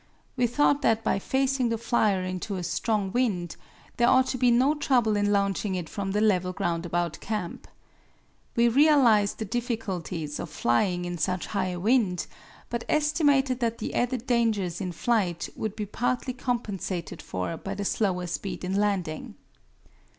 We thought that by facing the flyer into a strong wind, there ought to be no trouble in launching it from the level ground about camp. We realized the difficulties of flying in so high a wind, but estimated that the added dangers in flight would be partly compensated for by the slower speed in landing.